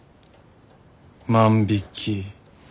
万引き。